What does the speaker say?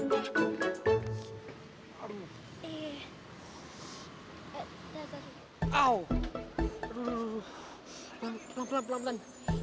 pelan pelan pelan pelan